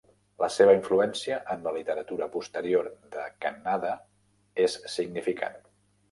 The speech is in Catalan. La seva influència en la literatura posterior de Kannada és significant.